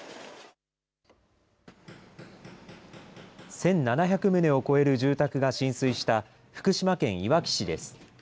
１７００棟を超える住宅が浸水した福島県いわき市です。